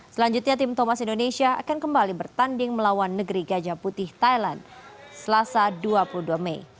selanjutnya tim thomas indonesia akan kembali bertanding melawan negeri gajah putih thailand selasa dua puluh dua mei